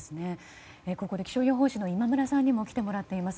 ここで気象予報士の今村さんに来てもらっています。